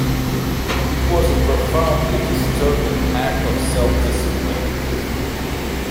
It was a profoundly disturbing act of self-discipline.